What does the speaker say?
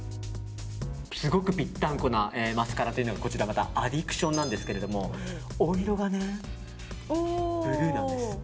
すごくぴったんこなマスカラがアディクションなんですけどお色がねブルーなんです。